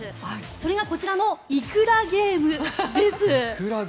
それがこちらのイクラゲームです。